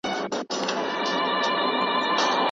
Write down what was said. د پوهني په برخي کي د حج فضیلت تر هر څه دمخه دی.